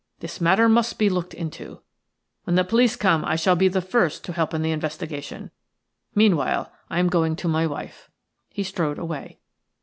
This matter must be looked into. When the police come I shall be the first to help in the investigation. Meanwhile I am going to my wife." He strode away.